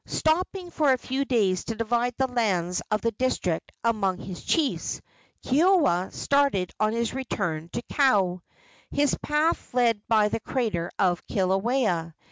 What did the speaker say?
Stopping for a few days to divide the lands of the district among his chiefs, Keoua started on his return to Kau. His path led by the crater of Kilauea.